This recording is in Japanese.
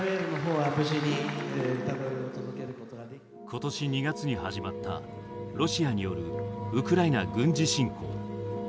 今年２月に始まったロシアによるウクライナ軍事侵攻。